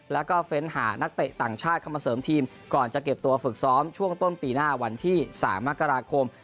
แล้วก็เฟ้นหานักเตะต่างชาติเข้ามาเสริมทีมก่อนจะเก็บตัวฝึกซ้อมช่วงต้นปีหน้าวันที่๓มกราคม